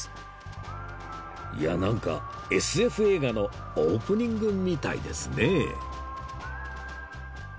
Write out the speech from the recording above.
いやなんか ＳＦ 映画のオープニングみたいですね